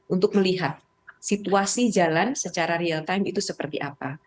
untuk melihat situasi jalan secara real time itu seperti apa